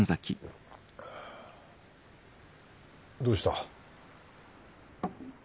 どうした？